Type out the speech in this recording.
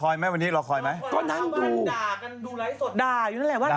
รอคอยไหมวันนี้รอคอยไหมก็นั่งดูด่าอยู่นั่นแหละว่าด่า